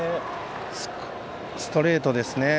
ストレートですね。